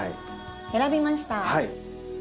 選びました。